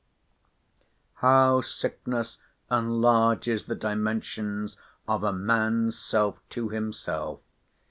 How sickness enlarges the dimensions of a man's self to himself!